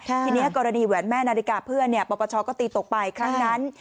ทีนี้กรณีแหวนแม่นาฬิกาเพื่อนปปชก็ตีตกไปครั้งนั้น